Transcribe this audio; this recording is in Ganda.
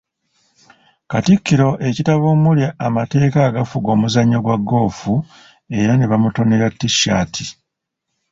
Katikkiro ekitabo omuli amateeka agafuga omuzannyo gwa golf era ne bamutonera T-shirt.